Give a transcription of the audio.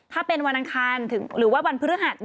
ถ้าเป็นวันอังคารหรือว่าวันพฤหัส